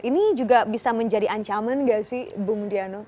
ini juga bisa menjadi ancaman gak sih bu mudiano